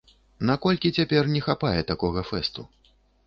Наколькі цяпер не хапае такога фэсту?